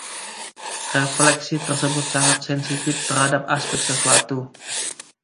Refleksi tersebut sangat sensitif terhadap aspek sesuatu.